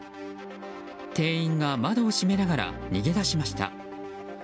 店員が窓を閉めながら逃げ出しました。